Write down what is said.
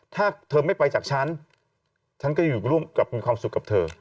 ถ้าเธอไม่ไปจากฉันฉันก็จะอยู่ร่วมกับมีความสุขกับเธอ